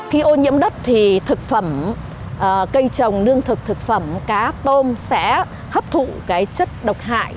khi ô nhiễm đất thì thực phẩm cây trồng nương thực phẩm cá tôm sẽ hấp thụ cái chất độc hại